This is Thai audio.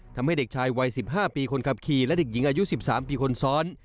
ทำให้เด็กชายวัย๑๕ปีคนขับขี่และเด็กหญิงอายุ๑๓ปีคนซ้อน